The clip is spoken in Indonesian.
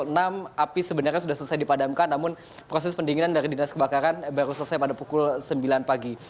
enam api sebenarnya sudah selesai dipadamkan namun proses pendinginan dari dinas kebakaran baru selesai pada pukul sembilan pagi